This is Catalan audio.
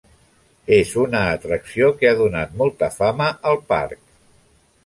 És una atracció que ha donat molta fama al parc.